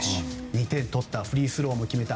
２点取ったフリースローも決めた。